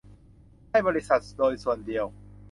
ให้บริสุทธิ์โดยส่วนเดียว